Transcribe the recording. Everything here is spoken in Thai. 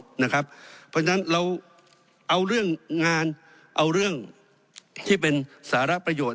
เพราะฉะนั้นเราเอาเรื่องงานเอาเรื่องที่เป็นสาระประโยชน